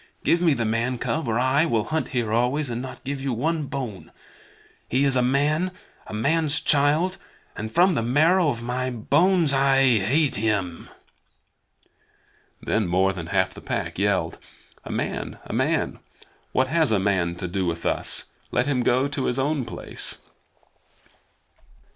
Give me the man cub, or I will hunt here always, and not give you one bone. He is a man, a man's child, and from the marrow of my bones I hate him!" Then more than half the Pack yelled: "A man! A man! What has a man to do with us? Let him go to his own place."